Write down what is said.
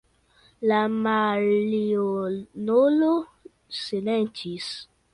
La maljunulo silentis.